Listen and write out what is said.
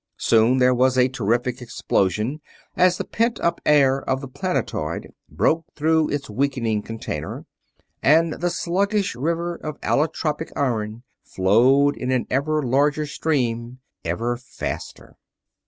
Soon there was a terrific explosion as the pent up air of the planetoid broke through its weakening container, and the sluggish river of allotropic iron flowed in an ever larger stream, ever faster.